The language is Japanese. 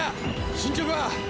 進捗は！？